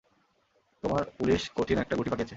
তোমার পুলিশ কঠিন একটা গুঁটি পাকিয়েছে।